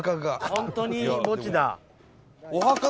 本当に墓地だ。